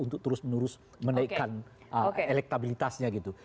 untuk terus menerus menaikkan elektabilitasnya gitu